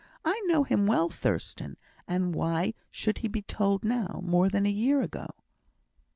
I know him well, Thurstan; and why should he be told now, more than a year ago?"